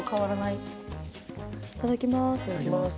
いただきます。